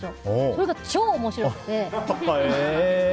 それが超面白くて。